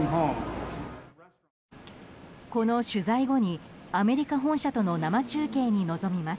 この取材後にアメリカ本社との生中継に臨みます。